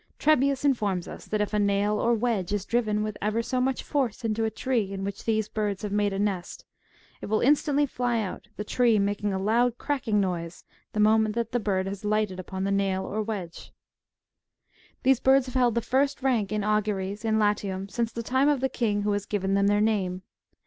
Trebius informs us that if a nail or wedge is driven with ever so much force into a tree in which these birds have made their nest, it will instantly fly out, the tree making a loud cracking noise the moment that the bird has lighted upon the nail or wedge. These birds have held the first rank in auguries, in Latium, since the time of the king*^ who has given them their name.